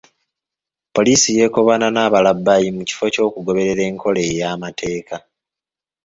Poliisi yeekobaana n’abalabbayi mu kifo ky’okugoberera enkola ey’amateeka.